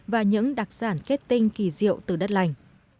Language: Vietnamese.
và những đặc sản kết tinh kỳ diệu từ đất lành